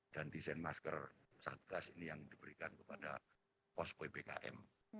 dan desain masker saat kas ini yang diberikan kepada posko ipkm